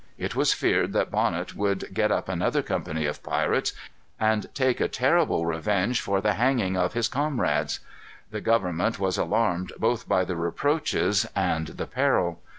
It was feared that Bonnet would get up another company of pirates, and take a terrible revenge for the hanging of his comrades. The government was alarmed both by the reproaches and the peril.